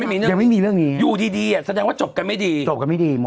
ยังไม่มีเรื่องนี้อยู่ดีดีอ่ะแสดงว่าจบกันไม่ดีจบกันไม่ดีหมด